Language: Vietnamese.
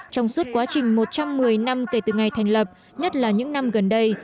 trong suốt quá trình một trăm một mươi năm kể từ ngày thành lập nhất là những năm gần đây